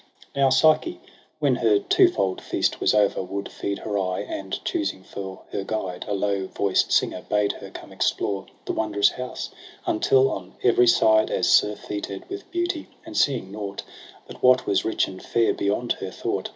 16 Now Psyche, when her twofold feast was o'er, Would feed her eye j and choosing for her guide A low voiced singer, bade her come explore The wondrous house 5 until on every side As surfeited with beauty, and seeing nought But what was rich and fair beyond her thought.